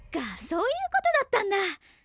そういうことだったんだ！